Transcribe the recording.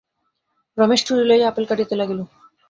রমেশ ছুরি লইয়া আপেল কাটিতে লাগিল।